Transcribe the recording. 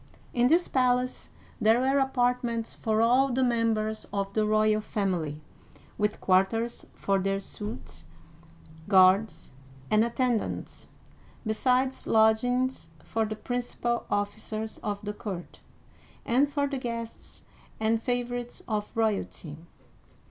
In this palace there were apartments for all the mem bers of the royal family, with quarters for their suites, guards, and attendants, besides lodgings for the principal officers of the court, and for the guests and favorites of royalty.